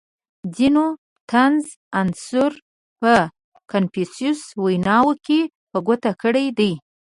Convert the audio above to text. • ځینو د طنز عنصر په کنفوسیوس ویناوو کې په ګوته کړی دی.